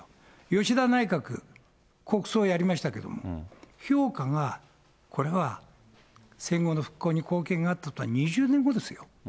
吉田内閣、国葬やりましたけども、評価がこれは戦後の復興に貢献があったというのは、２０年後ですよ。